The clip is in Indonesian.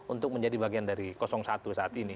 untuk menjadi bagian dari satu saat ini